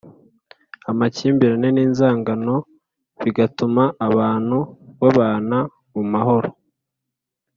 amakimbirane n’inzangano, bigatuma abantu babana mu mahoro